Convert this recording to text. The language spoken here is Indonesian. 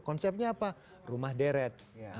konsepnya apa rumah deret